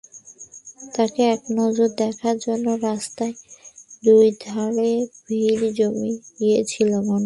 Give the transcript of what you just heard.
তাঁকে একনজর দেখার জন্য রাস্তার দুই ধারে ভিড় জমে গিয়েছিল মানুষের।